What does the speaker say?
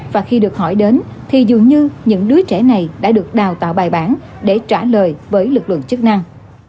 và khi được hỏi đến thì dường như những đứa trẻ này đã được đào tạo bài bản để trả lời với lực lượng chức năng